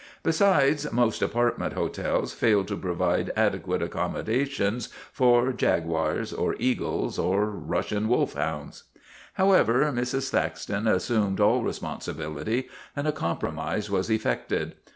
Besides, most apartment hotels fail to provide adequate accommo dations for jaguas or eagles or Russian wolfhounds. However, Mrs. Thaxton assumed all responsi bility and a compromise was effected.